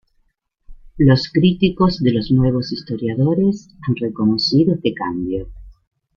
Los críticos de los Nuevos Historiadores han reconocido este cambio.